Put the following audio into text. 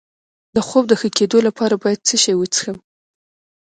د خوب د ښه کیدو لپاره باید څه شی وڅښم؟